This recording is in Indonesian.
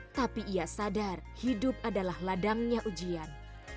tapi ia sadar hidup adalah ladangnya ujian